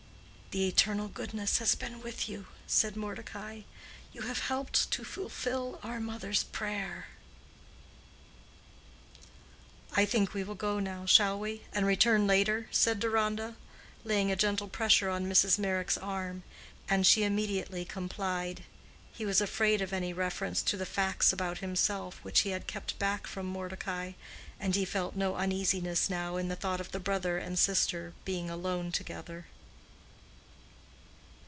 "The Eternal Goodness has been with you," said Mordecai. "You have helped to fulfill our mother's prayer." "I think we will go now, shall we?—and return later," said Deronda, laying a gentle pressure on Mrs. Meyrick's arm, and she immediately complied. He was afraid of any reference to the facts about himself which he had kept back from Mordecai, and he felt no uneasiness now in the thought of the brother and sister being alone together.